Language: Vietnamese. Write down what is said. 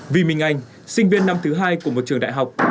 vi minh anh sinh viên năm thứ hai của một trường đại học